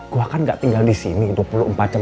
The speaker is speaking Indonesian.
gue kan gak tinggal di sini dua puluh empat jam